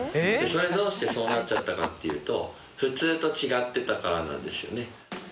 それどうしてそうなっちゃったかっていうと普通と違ってたからなんですよね